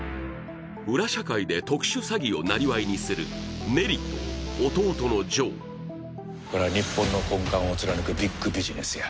裏社会で特殊詐欺を生業にするネリと弟のジョーこれは日本の根幹を貫くビッグビジネスや